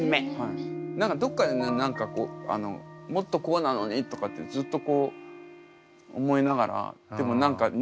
何かどっかでね何か「もっとこうなのに」とかってずっとこう思いながら。